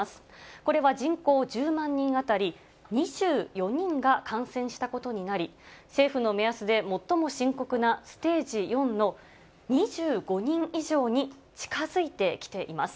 これは人口１０万人当たり２４人が感染したことになり、政府の目安で最も深刻なステージ４の２５人以上に近づいてきています。